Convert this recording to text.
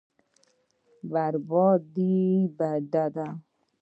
بربادي بد دی.